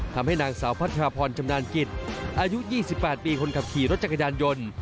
ทำให้นางสาวพัทรพรชำนาญกิจอายุ๒๘ปีคนขับขี่รถจักรยานยนต์